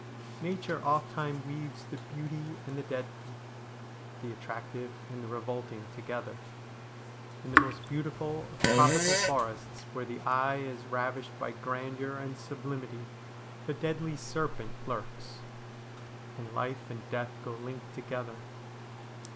Nature ofttimes weaves the beautiful and the deadly, the attractive and the revolting together. In the most beautiful of tropical forests, where the eye is ravished by grandeur and sublimity, the deadly serpent lurks, and life and death go linked together.